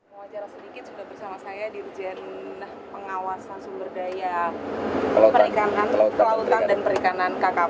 wajar sedikit sudah bersama saya di ujian pengawasan sumberdaya pelautan dan perikanan kkb